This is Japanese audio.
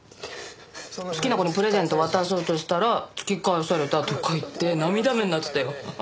好きな子にプレゼント渡そうとしたら突き返されたとか言って涙目になってたよ。